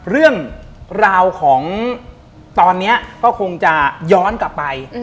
เรื่องราวของตอนนี้ก็คงจะย้อนกลับไป